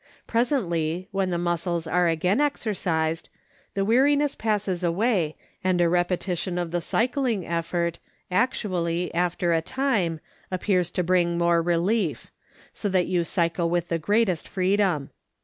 Presently, when the muscles are again exercised, the weariness passes away and a repetition of the cycling effort actually, after a time, ap pears to bring more relief, so that you cycle with the greatest freedom.